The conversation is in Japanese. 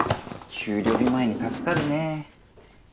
給料日前に助かるね。